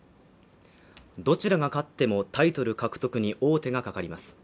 どちらが勝ってもタイトル獲得に王手がかかります。